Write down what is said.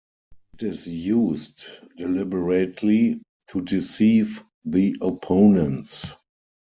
It is used deliberately to deceive the opponents.